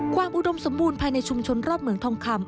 อุดมสมบูรณ์ภายในชุมชนรอบเหมืองทองคำ